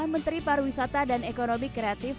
menteri pariwisata dan ekonomi kreatif